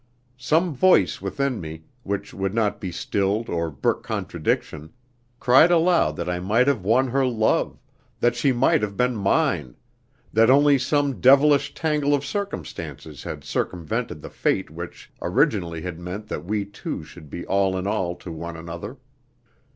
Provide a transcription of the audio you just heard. Some voice within me, which would not be stilled or brook contradiction, cried aloud that I might have won her love, that she might have been mine, that only some devilish tangle of circumstances had circumvented the fate which originally had meant that we two should be all in all to one another.